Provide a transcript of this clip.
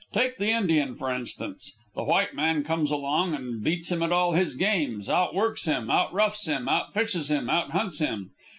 Take the Indian, for instance. The white man comes along and beats him at all his games, outworks him, out roughs him, out fishes him, out hunts him.